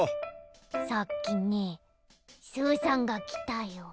さっきねスーさんがきたよ。